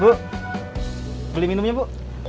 bu beli minumnya bu